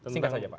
singkat saja pak